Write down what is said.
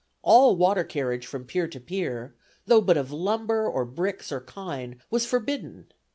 All water carriage from pier to pier, though but of lumber, or bricks, or kine, was forbidden.